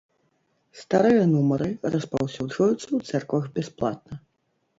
Старыя нумары распаўсюджваюцца ў цэрквах бясплатна.